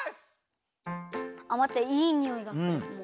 あっまっていいにおいがするもう。